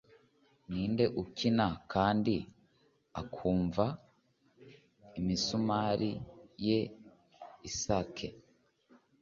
Ninde ukina kandi akumva imisumari ye isake